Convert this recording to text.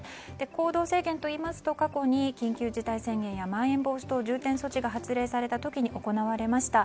行動制限といいますと過去に緊急事態宣言やまん延防止等重点措置が発令された時に行われました。